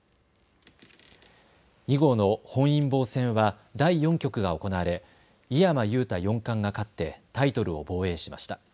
囲碁の本因坊戦は第４局が行われ井山裕太四冠が勝ってタイトルを防衛しました。